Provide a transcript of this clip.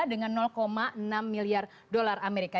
dengan enam miliar dolar amerika